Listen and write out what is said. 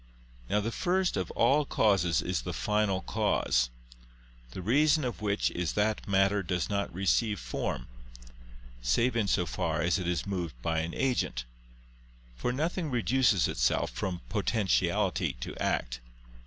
Now the first of all causes is the final cause. The reason of which is that matter does not receive form, save in so far as it is moved by an agent; for nothing reduces itself from potentiality to act.